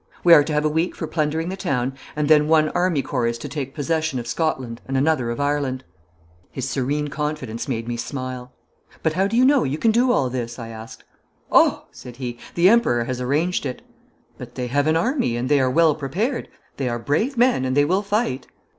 We are to have a week for plundering the town, and then one army corps is to take possession of Scotland and another of Ireland.' His serene confidence made me smile. 'But how do you know you can do all this?' I asked. 'Oh!' said he, 'the Emperor has arranged it.' 'But they have an army, and they are well prepared. They are brave men and they will fight.'